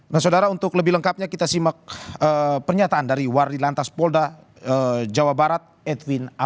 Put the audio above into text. nah saudara untuk lebih lengkapnya kita simak pernyataan dari wardilantas polda jawa barat edwin